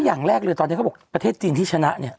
อย่างแรกเลยตอนนี้เขาบอกประเทศจีนที่ชนะเนี่ย